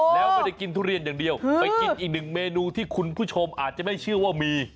แล้วไม่ได้กินทุเรียนอย่างเดียวไปกินอีกหนึ่งเมนูที่คุณผู้ชมอาจจะไม่เชื่อว่ามี